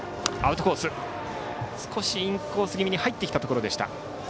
少しインコース気味に入ってきたところでした。